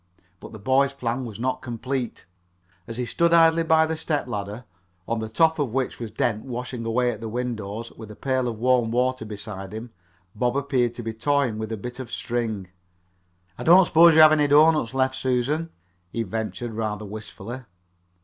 But the boy's plan was not completed. As he stood idly by the step ladder, on the top of which was Dent washing away at the windows, with the pail of warm water beside him, Bob appeared to be toying with a bit of string. "I don't s'pose you have any doughnuts left, Susan?" he ventured rather wistfully.